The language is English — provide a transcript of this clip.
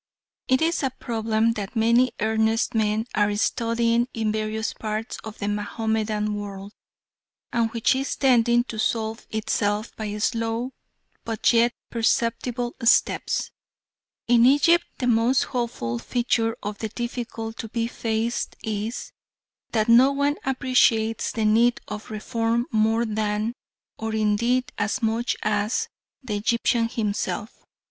It is a problem that many earnest men are studying in various parts of the Mahomedan world, and which is tending to solve itself by slow but yet perceptible steps. In Egypt the most hopeful feature of the difficulty to be faced is, that no one appreciates the need of reform more than, or indeed as much as, the Egyptian himself.